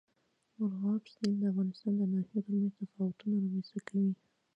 مورغاب سیند د افغانستان د ناحیو ترمنځ تفاوتونه رامنځ ته کوي.